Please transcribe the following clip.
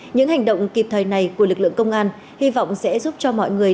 những hành động kịp thời này của lực lượng công an hy vọng sẽ giúp cho mọi người